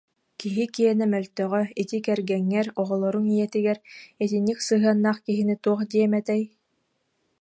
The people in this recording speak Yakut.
киһи киэнэ мөлтөҕө, ити кэргэҥҥэр, оҕолоруҥ ийэтигэр итинник сыһыаннаах киһини туох диэм этэй